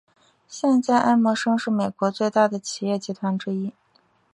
现在艾默生是美国最大的企业集团之一。